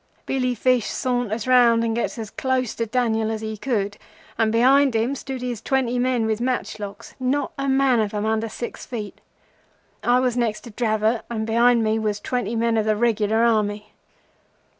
Billy Fish saunters round and gets as close to Daniel as he could, and behind him stood his twenty men with matchlocks. Not a man of them under six feet. I was next to Dravot, and behind me was twenty men of the regular Army.